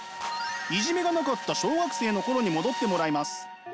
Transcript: いじめがなかった小学生の頃に戻ってもらいます。